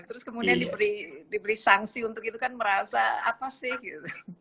terus kemudian diberi sanksi untuk itu kan merasa apa sih gitu